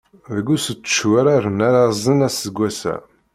Deg usečču ara rren arazen aseggas-a.